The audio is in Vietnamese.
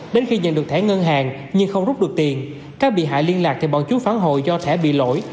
đến khi nhận được thẻ ngân hàng nhưng không rút được tiền các bị hại liên lạc thì bọn chúng phán hội do thẻ bị lỗi